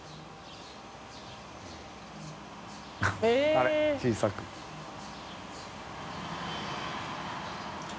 あれ小さく